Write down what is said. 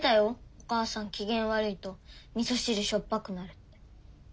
お母さん機嫌悪いとみそ汁しょっぱくなるって。